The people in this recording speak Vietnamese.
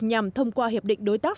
nhằm thông qua hiệp định đối tác